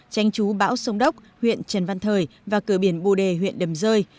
tranh chú bão sông đốc huyện trần văn thời và cửa biển bồ đề huyện đầm rơi